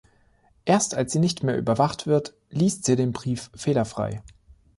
Erst als sie nicht mehr überwacht wird, liest sie den Brief fehlerfrei.